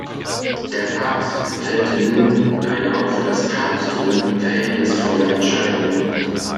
Der Papst fällte nun eine auch für das Papsttum verhängnisvolle Entscheidung.